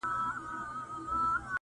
چې د هغې دې ساه خېژي